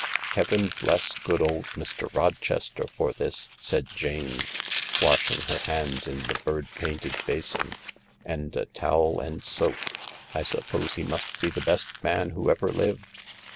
" Heaven bless good old Mr. Rochester for this !" said THE LARS 8X Jsme, washing her hands in the bjrd painted basin. " And a towel and soap 1 I suppose he must be the best man who ever lived."